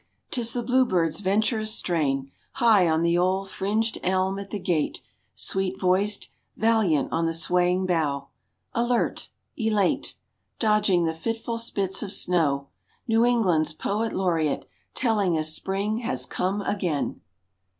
'tis the bluebird's venturous strain High on the old fringed elm at the gate— Sweet voiced, valiant on the swaying bough, Alert, elate, Dodging the fitful spits of snow, New England's poet laureate Telling us Spring has come again!